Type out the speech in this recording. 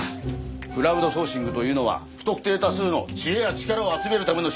クラウドソーシングというのは不特定多数の知恵や力を集めるためのシステムなんですよ。